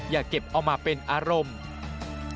อย่าเก็บเอามาเป็นอารมณ์